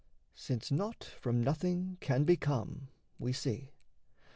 Since naught from nothing can become, we see.